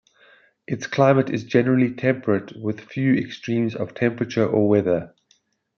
Its climate is generally temperate, with few extremes of temperature or weather.